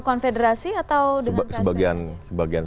konfederasi atau dengan kspi sebagian